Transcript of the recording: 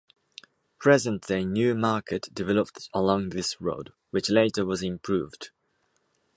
Present-day New Market developed along this road, which later was improved.